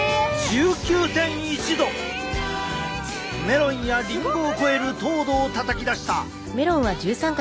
メロンやリンゴを超える糖度をたたき出した。